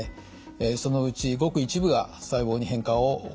そのうちごく一部が細胞に変化を起こします。